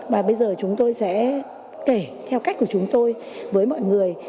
và bây giờ chúng tôi sẽ kể theo cách của chúng tôi với mọi người